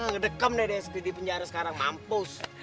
ngedekem deh dia di penjara sekarang mampus